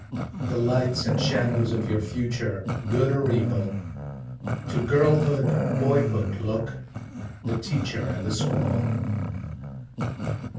The lights and shadows of your future, good or evil? To girlhood, boyhood look, the teacher and the school.